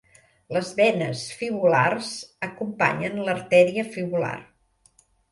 Les venes fibulars acompanyen l'artèria fibular.